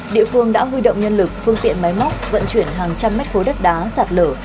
địa phương đã huy động nhân lực phương tiện máy móc vận chuyển hàng trăm mét khối đất đá sạt lở